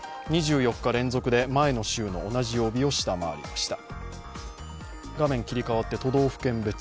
２４日連続で前の週の同じ曜日を下回りました。